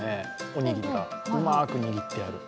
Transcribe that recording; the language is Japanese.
おにぎりがうまーく握ってある。